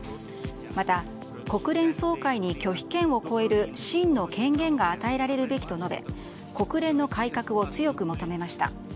また、国連総会に拒否権を超える真の権限が与えられるべきと述べ国連の改革を強く求めました。